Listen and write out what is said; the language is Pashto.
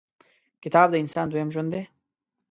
• کتاب، د انسان دویم ژوند دی.